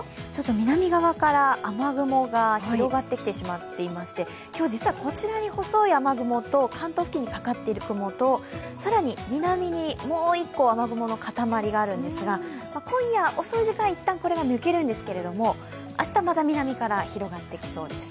南側から雨雲が広がってきてしまっていまして、今日実はこちらに細い雨雲と関東付近にかかっている雲と、更に南にもう一個、雨雲の塊があるんですが今夜、遅い時間、一旦これが抜けるんですけれども、明日また南から広がってきそうです。